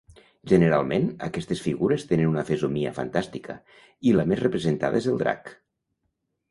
Generalment, aquestes figures tenen una fesomia fantàstica, i la més representada és el drac.